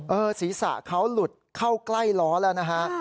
ศีรษะเขาหลุดเข้าใกล้ล้อแล้วนะฮะ